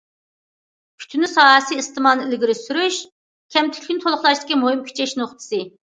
كۈتۈنۈش ساھەسى ئىستېمالنى ئىلگىرى سۈرۈش، كەمتۈكلۈكنى تولۇقلاشتىكى مۇھىم كۈچەش نۇقتىسى.